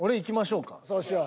そうしよう。